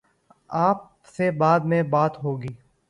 آپ سے بعد میں بات ہو گی۔